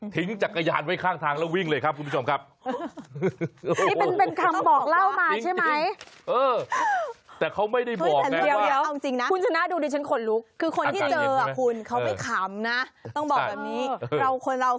จักรยานไว้ข้างทางแล้ววิ่งเลยครับคุณผู้ชมครับ